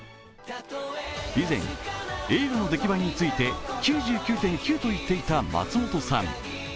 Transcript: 以前、映画の出来栄えについて９９．９と言っていた松本さん。